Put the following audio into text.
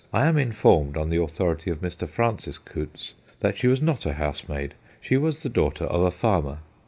I am informed on the authority of Mr. Francis Coutts that she was not a housemaid. She was the daughter of a farmer.